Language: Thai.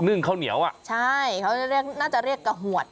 นึ่งข้าวเหนียวอ่ะใช่เขาน่าจะเรียกกระหวัด